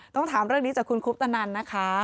ต้องถามเรื่องนี้จากคุณคุปตนันนะคะ